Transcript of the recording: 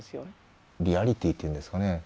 リアリティーっていうんですかね。